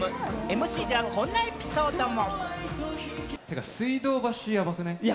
ＭＣではこんなエピソードも。